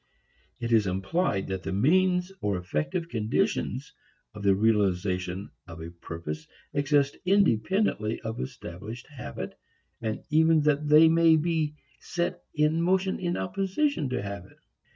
It is implied that the means or effective conditions of the realization of a purpose exist independently of established habit and even that they may be set in motion in opposition to habit.